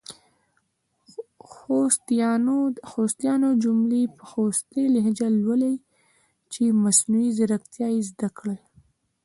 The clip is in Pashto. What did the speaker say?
خوستیانو جملي په خوستې لهجه لولۍ چې مصنوعي ځیرکتیا یې زده کړې!